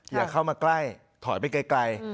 อย่าเข้ามาใกล้ถอยไปไกล